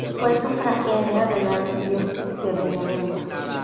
Fue sufragánea de la arquidiócesis de Benevento.